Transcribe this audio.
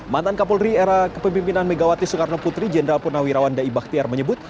mantan kapolri era kepemimpinan megawati soekarnoputri jenderal purnawirawan dai bakhtiar menyebut